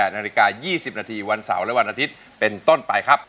นาฬิกา๒๐นาทีวันเสาร์และวันอาทิตย์เป็นต้นไปครับ